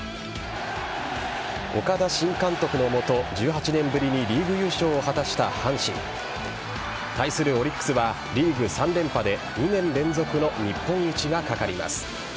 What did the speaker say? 岡田新監督のもと１８年ぶりにリーグ優勝を果たした阪神。対するオリックスはリーグ３連覇で２年連続の日本一がかかります。